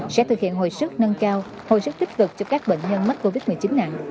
sẽ thực hiện hồi sức nâng cao hồi sức tích cực cho các bệnh nhân mắc covid một mươi chín nặng